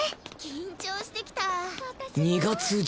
緊張してきた！